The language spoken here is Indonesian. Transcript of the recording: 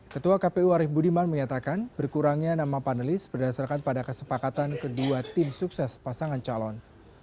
ketua kpu arief budiman menyatakan berkurangnya nama panelis berdasarkan pada kesepakatan kedua tim sukses pasangan calon